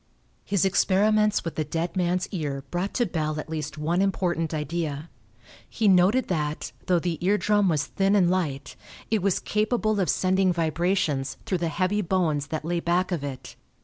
His experiments with the dead man's ear brought to Bell at least one important idea. He noted that, though the ear drum was thin and light, it was capable of sending vibrations through the heavy bones that lay back of it.